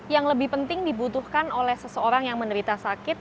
yang lebih penting dibutuhkan oleh seseorang yang menderita sakit